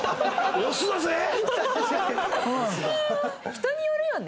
人によるよね。